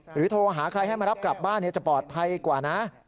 โทรหาใครให้มารับกลับบ้านจะปลอดภัยกว่านะ